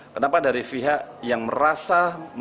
kenapa dari pihak yang merasa